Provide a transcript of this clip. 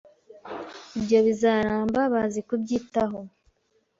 Ibyo bizaramba bazi kubyitaho.